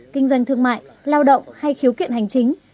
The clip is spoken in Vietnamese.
kinh doanh thương mại lao động hay khiếu kiện hành chính